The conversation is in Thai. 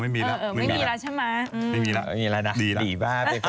ไม่มีแล้ว